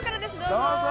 どうぞ。